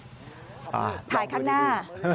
พร้อมดินรู้ถ่ายข้างหน้า